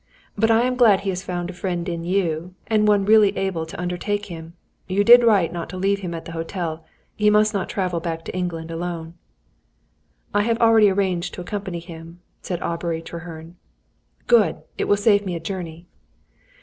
But I am glad he has found a friend in you, and one really able to undertake him. You did right not to leave him at the hotel; and he must not travel back to England alone." "I have already arranged to accompany him," said Aubrey Treherne. "Good; it will save me a journey."